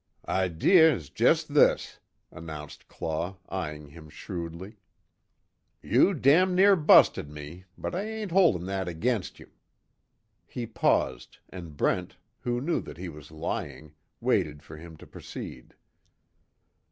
"Idee is jest this," announced Claw, eyeing him shrewdly, "You damn near busted me, but I ain't holdin' that agin' you." He paused and Brent, who knew that he was lying, waited for him to proceed.